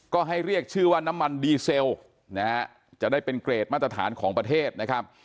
ก็ให้เรียกชื่อว่าน้ำมันดีเซลนะฮะจะได้เป็นเกรดมาตรฐานของประเทศนะครับ